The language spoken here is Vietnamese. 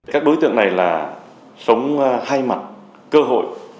các đối tượng này là sống hai mặt cơ hội